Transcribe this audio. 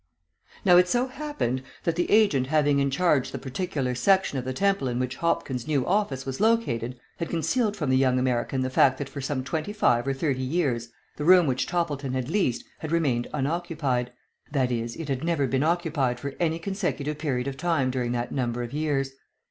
Now it so happened, that the agent having in charge the particular section of the Temple in which Hopkins' new office was located, had concealed from the young American the fact that for some twenty five or thirty years, the room which Toppleton had leased had remained unoccupied that is, it had never been occupied for any consecutive period of time during that number of years.